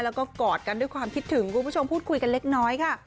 แล้วก็กอดกันด้วยความคิดถึงคุณผู้ชมพูดคุยกันเล็กน้อยค่ะ